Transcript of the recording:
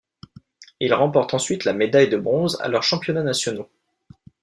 Ils remportent ensuite la médaille de bronze à leurs championnats nationaux.